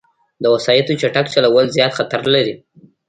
د وسايطو چټک چلول، زیاد خطر لري